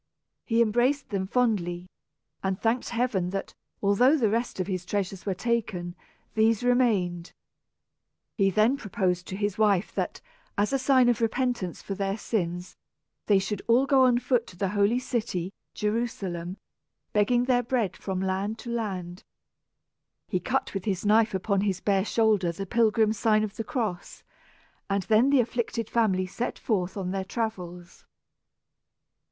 He embraced them fondly, and thanked heaven that, though all the rest of his treasures were taken, these remained. He then proposed to his wife that, as a sign of repentance for their sins, they should all go on foot to the holy city, Jerusalem, begging their bread from land to land. He cut with his knife upon his bare shoulder the pilgrim's sign of the cross, and then the afflicted family set forth on their travels.